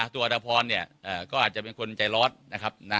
อัตภพรเนี่ยก็อาจจะเป็นคนใจร้อนนะครับ